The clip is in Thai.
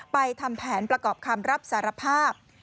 ทำแผนประกอบคำรับสารภาพ